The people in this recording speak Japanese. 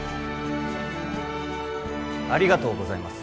ありがとうございます